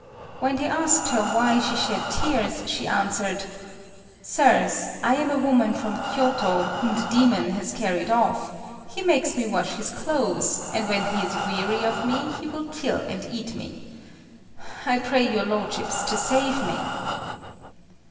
When they asked her why she shed tears, she answered, "Sirs, I am a woman from Kiôto, whom the demon has carried off; he makes me wash his clothes, and when he is weary of me, he will kill and eat me. I pray your lordships to save me."